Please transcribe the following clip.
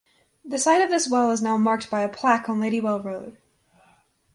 The site of this well is now marked by a plaque on Ladywell Road.